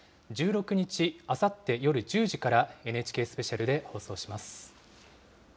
１６日、あさって夜１０時からＮＨＫスペシャルで放送します。